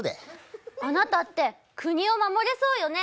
あなたって、国を守れそうよね。